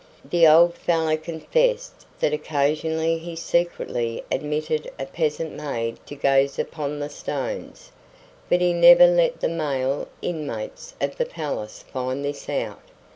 The old fellow confessed that occasionally he secretly admitted a peasant maid to gaze upon the stones. But he never let the male inmates of the palace find this out.